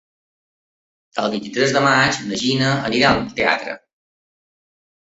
El vint-i-tres de maig na Gina anirà al teatre.